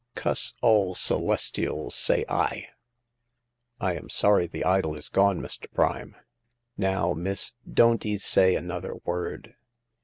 Cuss all Celestials, say I !"I am sorry the idol is gone, Mr. Prime "" Now, miss, don't *ee say another word.